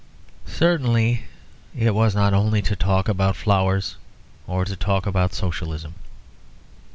Certainly it was not only to talk about flowers or to talk about Socialism.